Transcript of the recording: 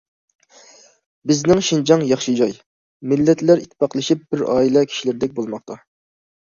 « بىزنىڭ شىنجاڭ ياخشى جاي، مىللەتلەر ئىتتىپاقلىشىپ بىر ئائىلە كىشىلىرىدەك بولماقتا».